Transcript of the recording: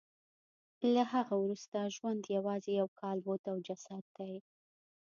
له هغه وروسته ژوند یوازې یو کالبد او جسد دی